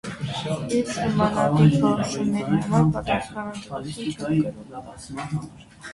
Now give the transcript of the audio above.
Ես նմանատիպ որոշումների համար պատասխանատվություն չեմ կրում։